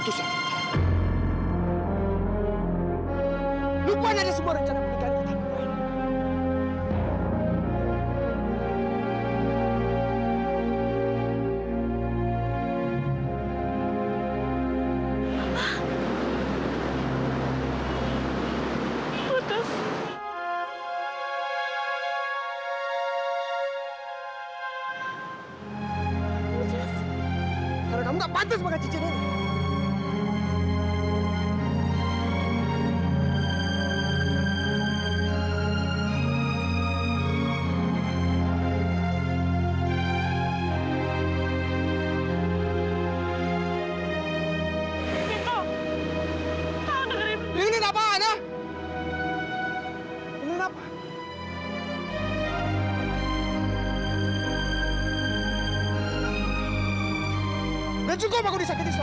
kenapa kamu nggak pernah percaya sama aku kevin